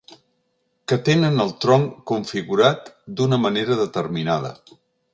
Que tenen el tronc configurat d'una manera determinada.